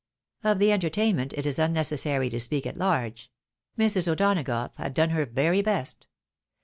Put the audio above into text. Of the entertainment it is unnecessary to speak at large ; Mrs. O'Donagough had done her very best.